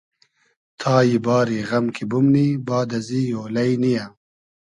تای باری غئم کی بومنی باد ازی اۉلݷ نییۂ